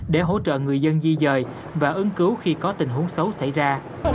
để hỗ trợ người dân di dời và ứng cứu khi có tình huống xấu xảy ra